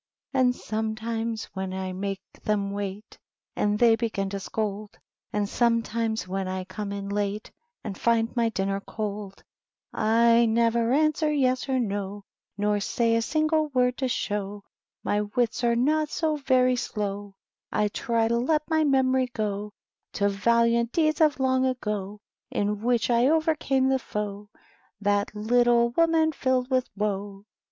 And sometimes when I make them wait And they begin to scold, And somstim^s when I corns in late, And find my dinner cold ; I nefver answer yes or no, Not say a single word to show My wits are not so very slow ; I try to let m/y memory go To valiant deeds of long ago In which I overcame the foe. That little womun filled with woe.